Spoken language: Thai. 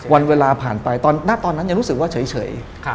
วันเวลาผ่านไปตอนนั้นยังรู้สึกว่าเฉย